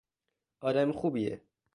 آدم خوبیه!